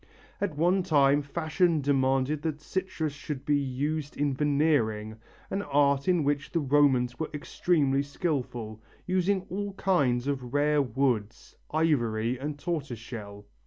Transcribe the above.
At one time fashion demanded that citrus should be used in veneering, an art in which the Romans were extremely skilful, using all kinds of rare woods, ivory and tortoise shell.